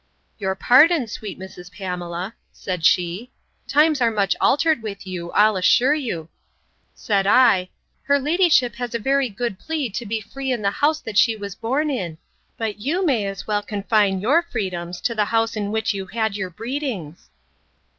—Your pardon, sweet Mrs. Pamela, said she. Times are much altered with you, I'll assure you! said I, Her ladyship has a very good plea to be free in the house that she was born in; but you may as well confine your freedoms to the house in which you had your breedings.